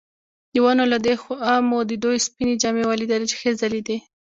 د ونو له دې خوا مو د دوی سپینې جامې ولیدلې چې ښې ځلېدې.